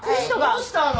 どうしたの？